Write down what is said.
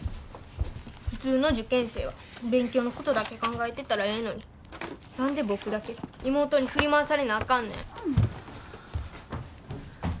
普通の受験生は勉強のことだけ考えてたらええのに何で僕だけ妹に振り回されなあかんねん。